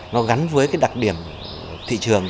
nó gắn với đặc điểm thị trường